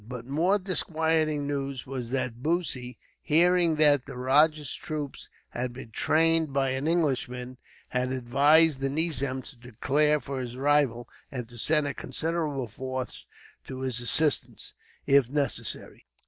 But more disquieting news was that Bussy, hearing that the rajah's troops had been trained by an Englishman, had advised the nizam to declare for his rival, and to send a considerable force to his assistance, if necessary.